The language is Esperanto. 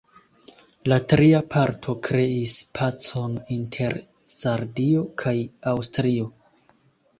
La tria parto kreis pacon inter Sardio kaj Aŭstrio.